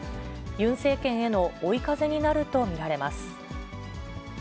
ユン政権への追い風になると見られます。